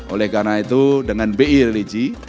oleh karena itu dengan bi religi